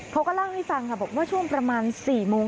เขาก็เล่าให้ฟังค่ะบอกว่าช่วงประมาณ๔โมง